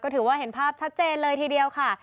ถือว่าเห็นภาพชัดเจนเลยทีเดียวค่ะ